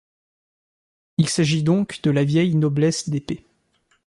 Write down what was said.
Il s'agit donc de la vielle noblesse d'épée.